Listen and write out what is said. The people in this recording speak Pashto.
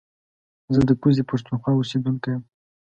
زه د کوزې پښتونخوا اوسېدونکی يم